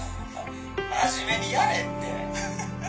「真面目にやれって」。